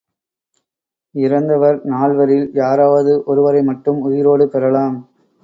இறந்தவர் நால்வரில் யாராவது ஒருவரை மட்டும் உயிரோடு பெறலாம்.